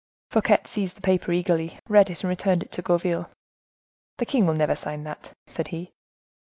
Fouquet seized the paper eagerly, read it, and returned it to Gourville. "The king will never sign that," said he.